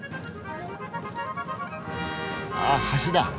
ああ橋だ。